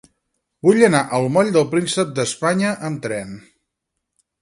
Vull anar al moll del Príncep d'Espanya amb tren.